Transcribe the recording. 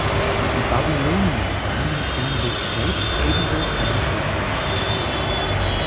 Die Babylonier sahen im Sternbild Krebs ebenso eine Schildkröte.